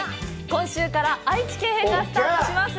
今週から愛知県編がスタートします。